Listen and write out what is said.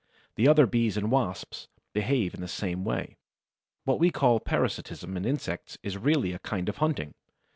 The other Bees and Wasps behave in the same way. What we call parasitism in insects is really a kind of hunting.